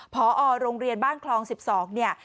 พอโรงเรียนบ้านคลอง๑๒เนี่ย